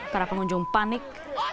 para pengunjung panik